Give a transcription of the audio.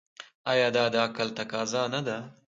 آیا دا د عقل تقاضا نه ده؟